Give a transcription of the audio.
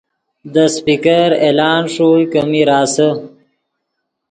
دے سپیکر اعلان ݰوئے کہ میر آسے